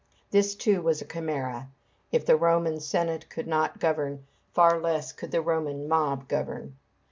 This, too, was a chimera. If the Roman Senate could not govern, far less could the Roman mob govern.